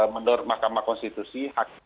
menurut mahkamah konstitusi